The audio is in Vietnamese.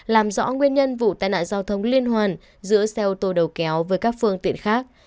làm rõ nguyên nhân vụ tai nạn giao thông liên hoàn giữa xe ô tô đầu kéo với các phương tiện khác